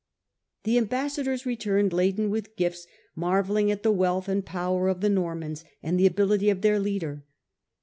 The ambassadors returned laden with gifts, marvelling at the wealth and power of the Normans and the ability of their leader.